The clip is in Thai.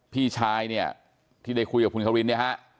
พี่ชายเนี่ยที่ได้คุยกับคุณควินเนี่ยฮะ